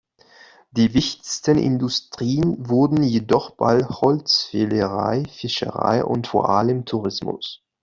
Die wichtigsten Industrien wurden jedoch bald Holzfällerei, Fischerei und vor allem Tourismus.